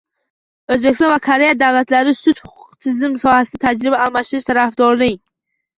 O‘zbekiston va Koreya davlatlari sud-huquq tizimi sohasida tajriba almashish tarafdoring